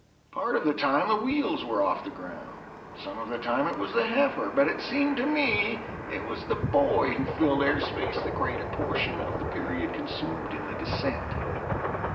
Part of the time the wheels were off the ground, some of the time it was the heifer, but it seemed to me it was the boy who filled air space the greater portion of the period consumed in the descent.